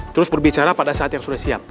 terus berbicara pada saat yang sudah siap